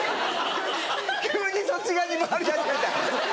急にそっち側に回り出して。